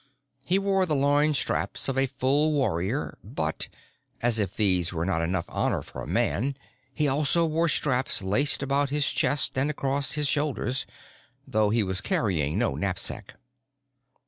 He wore the loin straps of a full warrior, but as if these were not enough honor for a man he also wore straps laced about his chest and across his shoulders, though he was carrying no knapsack.